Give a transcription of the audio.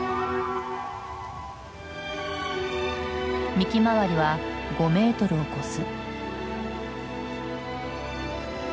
幹周りは５メートルを超す。